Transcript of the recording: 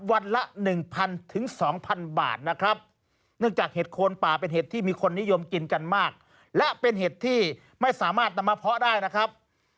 วันละ๑๐๐๐ถึง๒๐๐๐บาทนะครับ